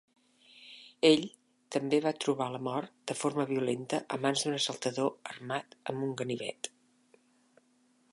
Ell, també, va trobar la mort de forma violenta a mans d'un assaltador armat amb un ganivet.